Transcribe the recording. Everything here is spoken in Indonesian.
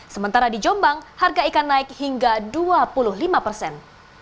sementara di jombang harga ikan naik hingga dua puluh lima persen